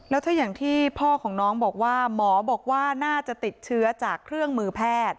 แล้วถ้าอย่างที่พ่อของน้องบอกว่าหมอบอกว่าน่าจะติดเชื้อจากเครื่องมือแพทย์